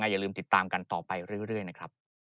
อย่าลืมติดตามกันต่อไปเรื่อยนะครับ